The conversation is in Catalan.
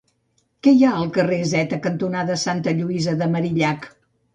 Què hi ha al carrer Zeta cantonada Santa Lluïsa de Marillac?